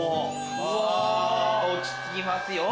うわ落ち着きますよ